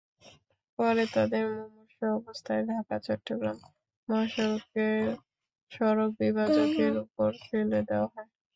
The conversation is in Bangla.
পরে তাঁদের মুমূর্ষু অবস্থায় ঢাকা-চট্টগ্রাম মহাসড়কের সড়ক বিভাজকের ওপর ফেলে দেওয়া হয়।